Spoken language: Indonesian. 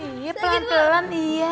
iya pelan pelan iya